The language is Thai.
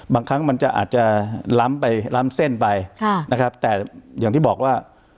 บางครั้งมันจะอาจจะล้ำไปล้ำเส้นไปนะครับแต่อย่างที่บอกว่า